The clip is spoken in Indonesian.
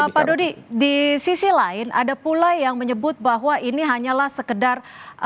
pak dodi di sisi lain ada pula yang menyebut bahwa ini hanyalah sekedar